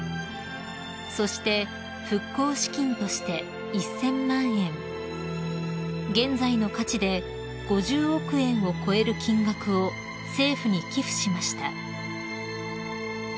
［そして復興資金として１，０００万円現在の価値で５０億円を超える金額を政府に寄付しました］